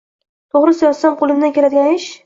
– To‘g‘risi, yozsam, qo‘limdan keladigan ish.